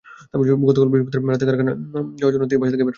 গতকাল বৃহস্পতিবার রাতে কারখানায় যাওয়ার জন্য তিনি বাসা থেকে বের হন।